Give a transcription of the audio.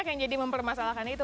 yang jadi mempermasalahkan itu